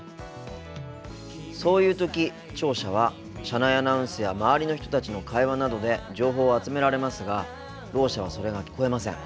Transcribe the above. そういう時聴者は車内アナウンスや周りの人たちの会話などで情報を集められますがろう者はそれが聞こえません。